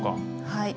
はい。